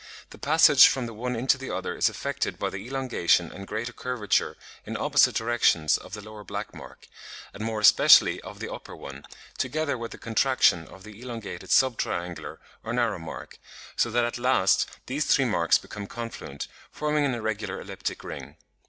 The passage from the one into the other is effected by the elongation and greater curvature in opposite directions of the lower black mark (b, Fig. 59), and more especially of the upper one (c), together with the contraction of the elongated sub triangular or narrow mark (d), so that at last these three marks become confluent, forming an irregular elliptic ring.